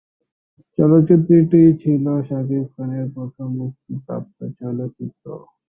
চলচ্চিত্রটি ছিল শাকিব খানের প্রথম মুক্তিপ্রাপ্ত চলচ্চিত্র।